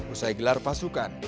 usai gelar pasukan